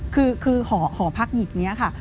คือหอพักหยิกนี้ค่ะ